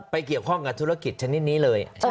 เกี่ยวข้องกับธุรกิจชนิดนี้เลย